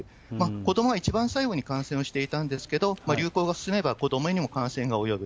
子どもは一番最後に感染をしていたんですけれども、流行が進めば子どもにも感染が及ぶ。